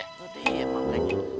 oh dia emang bener